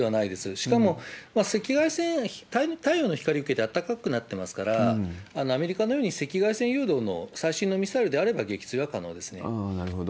しかも、赤外線、太陽の光を受けてあったかくなってますから、アメリカのように赤外線誘導の最新のミサイルであれば、なるほど。